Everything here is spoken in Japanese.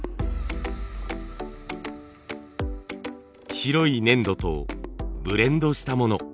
白い粘土とブレンドしたもの。